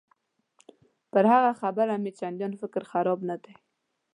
پر هغه خبره مې چندان فکر خراب نه دی.